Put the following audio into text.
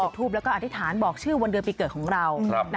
ทูปแล้วก็อธิษฐานบอกชื่อวันเดือนปีเกิดของเรา